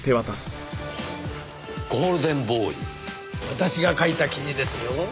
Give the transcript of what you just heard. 私が書いた記事ですよ。